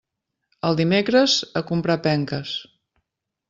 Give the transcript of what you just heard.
El dimecres, a comprar penques.